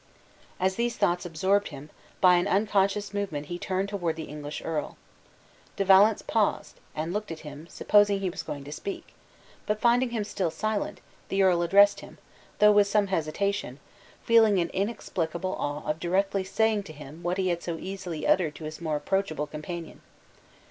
As these thoughts absorbed him, by an unconscious movement he turned toward the English earl. De Valence paused, and looked at him, supposing he was going to speak; but finding him still silent, the earl addressed him, though with some hesitation, feeling an inexplicable awe of directly saying to him what he had so easily uttered to his more approachable companion.